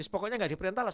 pokoknya gak diperintah lah